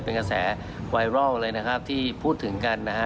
เป็นกระแสไวรัลเลยนะครับที่พูดถึงกันนะฮะ